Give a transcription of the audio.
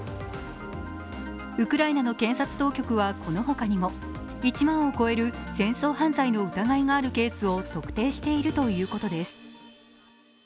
ウクライナの検察当局はこの他にも１万を超える戦争犯罪の疑いがあるケースを特定しているということです。